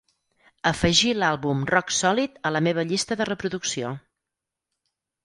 Afegir l'àlbum Rock Solid a la meva llista de reproducció